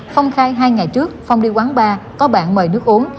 phong khai hai ngày trước phong đi quán bar có bạn mời nước uống